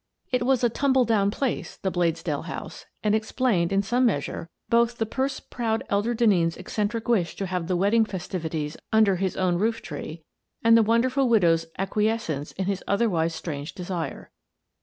It was a tumble down place, the Bladesdell house, and explained, in some measure, both the purse proud elder Denneen's eccentric wish to have the wedding festivities under his own rooftree, and the wonderful widow's acquiescence in his otherwise strange desire.